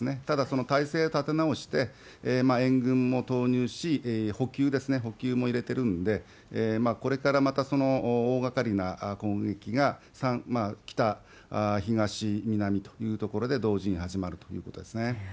ただ、その態勢を立て直して、援軍も投入し、補給ですね、補給も入れてるんで、これからまたその大がかりな攻撃が北、東、南という所で同時に始まるということですね。